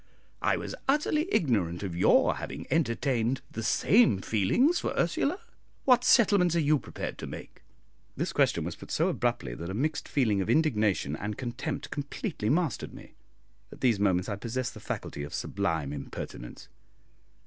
I was utterly ignorant of your having entertained the same feelings for Ursula. What settlements are you prepared to make?" This question was put so abruptly that a mixed feeling of indignation and contempt completely mastered me. At these moments I possess the faculty of sublime impertinence.